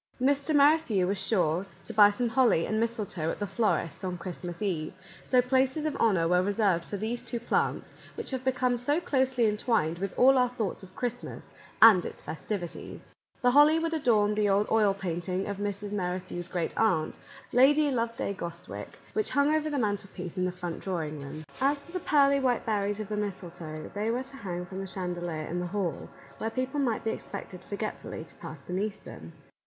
Mr. Merrithew was sure to buy some holly and mistletoe at the florist's on Christmas Eve, so places of honour were reserved for these two plants, which have become so closely entwined with all our thoughts of Christmas and its festivities. The holly would adorn the old Our Little Canadian Cousin 87 oil painting of Mrs. Merrithew's great aunt, Lady Loveday Gostwycke, which hung over the mantelpiece in the front drawing room. As for the pearly white berries of the mistletoe, they were to hang from the chandelier in the hall, where people might be expected forgetfully to pass beneath them.